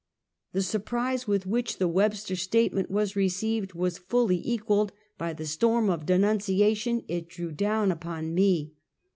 The surprise with which the "Webster statement was received was fully equalled by the storm of denun ciation it drew down upon me.